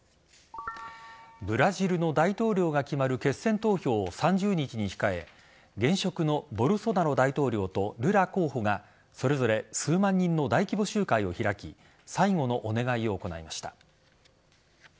ブラジルの大統領が決まる決選投票を３０日に控え現職のボルソナロ大統領とルラ候補がそれぞれ数万人の大規模集会を開き最後のお願いを行いました。